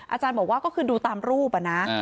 อาจารย์บอกว่าก็คือดูตามรูปอะนะ